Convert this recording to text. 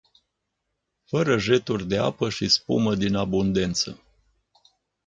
Fără jeturi de apă și spumă din abundență.